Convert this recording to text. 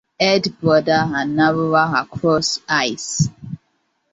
Head broader and narrower across eyes.